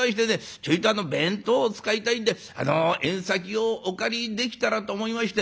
ちょいと弁当を使いたいんであの縁先をお借りできたらと思いまして」。